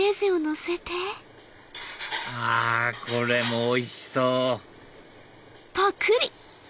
あこれもおいしそう！